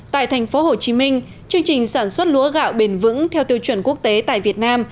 tại tp hcm chương trình sản xuất lúa gạo bền vững theo tiêu chuẩn quốc tế tại việt nam